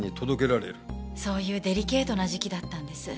そういうデリケートな時期だったんです。